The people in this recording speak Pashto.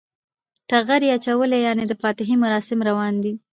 ټغر یی اچولی یعنی د فاتحی مراسم روان دی